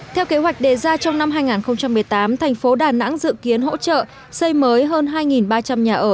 theo kế hoạch đề ra trong năm hai nghìn một mươi tám thành phố đà nẵng dự kiến hỗ trợ xây mới hơn hai ba trăm linh nhà ở